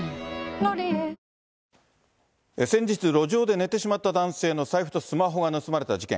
「ロリエ」路上で寝てしまった男性の財布とスマホが盗まれた事件。